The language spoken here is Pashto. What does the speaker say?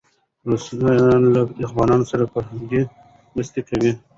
روسان له افغانانو سره فرهنګي مرسته کوله.